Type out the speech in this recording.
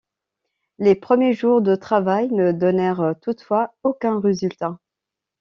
Les premiers jours de travail ne donnèrent toutefois aucun résultat.